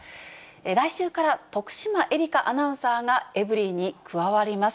来週から徳島えりかアナウンサーが、エブリィに加わります。